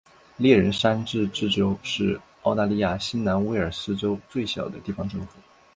猎人山自治市是澳大利亚新南威尔斯州最小的地方政府。